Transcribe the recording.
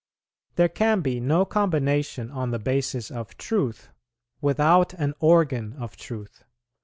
There can be no combination on the basis of truth without an organ of truth.